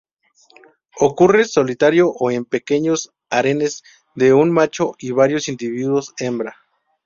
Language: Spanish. Ocurre solitario o en pequeños harenes de un macho y varios individuos hembra.